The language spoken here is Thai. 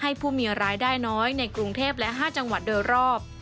ผู้มีรายได้น้อยในกรุงเทพและ๕จังหวัดโดยรอบ